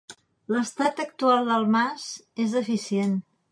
L’estat actual del mas és deficient.